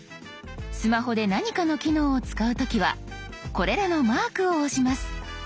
スマホで何かの機能を使う時はこれらのマークを押します。